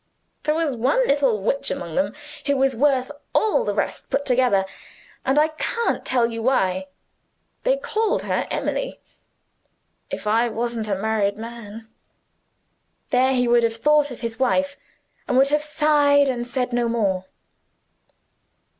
"There was one little witch among them, who was worth all the rest put together; and I can't tell you why. They called her Emily. If I wasn't a married man " There he would have thought of his wife, and would have sighed and said no more.